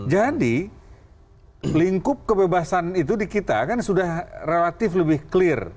jadi lingkup kebebasan itu di kita kan sudah relatif lebih clear